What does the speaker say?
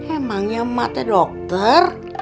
emangnya emak itu dokter